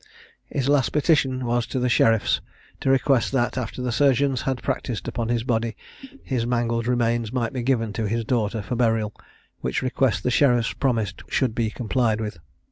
His last petition was to the sheriffs, to request that, after the surgeons had practised upon his body, his mangled remains might be given to his daughter, for burial; which request the sheriffs promised should be complied with.